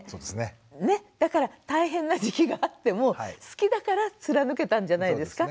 だから大変な時期があっても好きだから貫けたんじゃないですか？